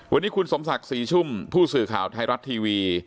วันนี้คุณสมศักดิ์ศรีชุ่มผู้สื่อข่าวไทยรัฐทีวี